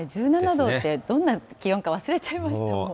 １７度って、どんな気温か忘れちもう